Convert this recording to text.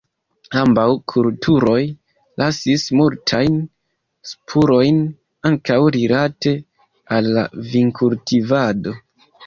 Ambaŭ kulturoj lasis multajn spurojn, ankaŭ rilate al la vinkultivado.